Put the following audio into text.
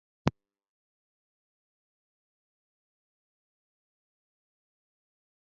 তিনি দরিদ্রদের মনের ব্যথা অনুভবও করতে পারতেন।